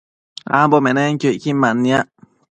ambo nanenquio icquin manniac